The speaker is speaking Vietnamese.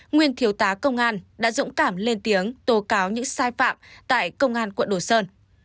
nguyên thiếu tá công an đã dũng cảm lên tiếng tố cáo những sai phạm tại công an quận đồ sơn